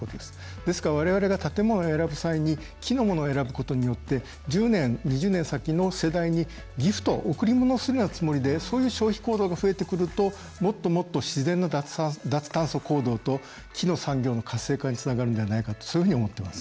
ですから、われわれが建物を選ぶ際に木のものを選ぶことによって１０年、２０年先の世代にギフト贈り物をするようなつもりでそういう消費行動が増えてくるともっともっと自然な脱炭素行動と木の産業の活性化につながるのではないかとそういうふうに思ってます。